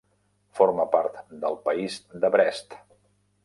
Forma part del País de Brest.